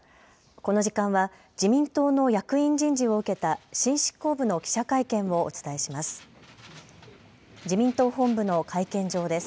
この時間は自民党の役員人事を受けた新執行部の記者会見をお伝えします。